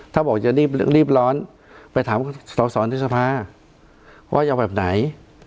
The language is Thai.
ถ้าบอกจะรีบร้อนไปถามสอสอในสภาว่าจะเอาแบบไหน